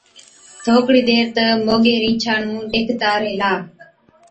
ٿوڪڙِي دير تہ موڳي رِينڇا نُون ڏيکتا ريهلا،